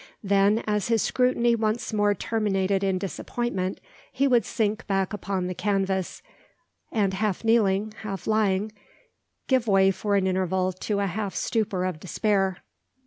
Then as his scrutiny once more terminated in disappointment, he would sink back upon the canvas, and half kneeling, half lying, give way for an interval to a half stupor of despair.